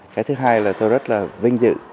cái thứ hai là tôi rất là vinh dự